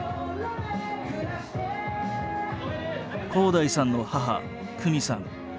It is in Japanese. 洸大さんの母公美さん。